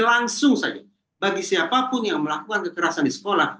jadi langsung saja bagi siapapun yang melakukan kekerasan di sekolah